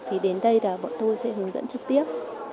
thì đến đây là bọn tôi sẽ hướng dẫn trực tiếp